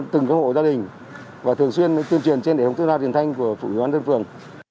từng các hộ gia đình và thường xuyên tiêm truyền trên để hỗ trợ rào điển thanh của phụ nguyên văn dân phường